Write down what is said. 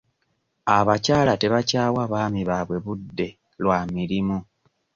Abakyala tebakyawa baami baabwe budde lwa mirimu.